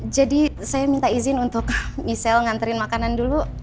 jadi saya minta izin untuk michelle nganterin makanan dulu